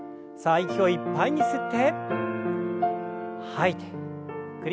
息をいっぱいに吸って。